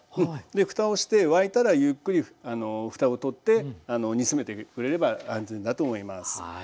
ふたをして沸いたらゆっくりふたを取って煮詰めてくれれば安全だと思います。